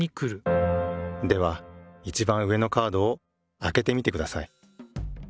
ではいちばん上のカードをあけてみてください。